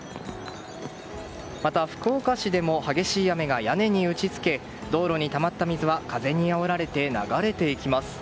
また、福岡市でも激しい雨が屋根に打ち付け道路にたまった水は風にあおられて流れていきます。